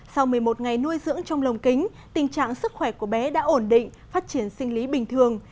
sau một mươi một ngày nuôi dưỡng trong lồng kính tình trạng sức khỏe của bé đã ổn định phát triển sinh lý bình thường